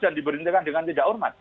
dan diberhentikan dengan tidak hormat